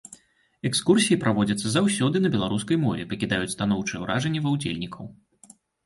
Экскурсіі праводзяцца заўсёды на беларускай мове, пакідаюць станоўчыя ўражанні ва ўдзельнікаў.